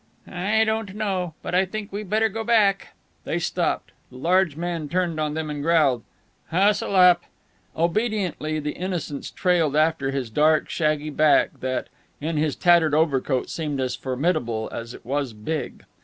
"I don't know, but I think we better go back." They stopped. The large man turned on them and growled, "Hustle up." Obediently the Innocents trailed after his dark, shaggy back that, in his tattered overcoat, seemed as formidable as it was big.